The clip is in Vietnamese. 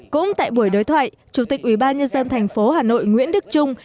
cũng tại buổi đối thoại chủ tịch ủy ban nhân dân thành phố hà nội nguyễn đức trung